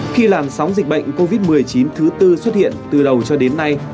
khi làn sóng dịch bệnh covid một mươi chín thứ tư xuất hiện từ đầu cho đến nay